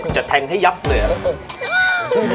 จะแทงให้ยับเลยนะ